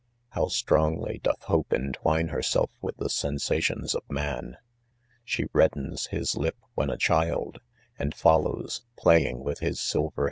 Mow strongly doth hope entwine herself with the sensations of man j she reddens his lip when a child, and follows, playing with Mb silver